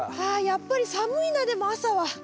ああやっぱり寒いなでも朝は。